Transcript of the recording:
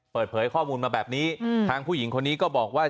เปิดเผยข้อมูลมาแบบนี้ทางผู้หญิงคนนี้ก็บอกว่า